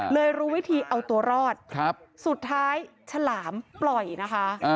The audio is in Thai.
รู้วิธีเอาตัวรอดสุดท้ายฉลามปล่อยนะคะ